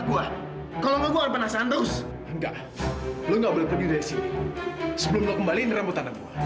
gua akan lepasin lu sebelum lu kembali rambut anak gua